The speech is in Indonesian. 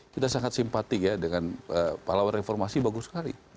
kita sangat simpatik ya dengan pahlawan reformasi bagus sekali